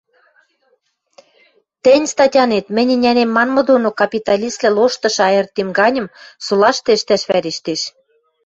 Тӹнь статянет, мӹнь ӹнянем манмы доно капиталиствлӓ лоштышы айыртем ганьым солашты ӹштӓш вӓрештеш.